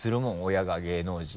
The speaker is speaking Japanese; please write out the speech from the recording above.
親が芸能人。